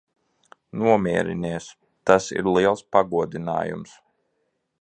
Nomierinies. Tas ir liels pagodinājums.